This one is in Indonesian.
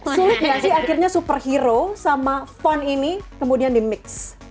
sulit gak sih akhirnya superhero sama font ini kemudian di mix